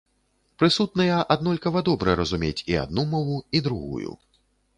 Прысутныя аднолькава добра разумець і адну мову, і другую.